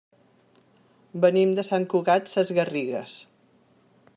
Venim de Sant Cugat Sesgarrigues.